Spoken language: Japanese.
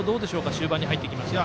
終盤に入ってきましたが。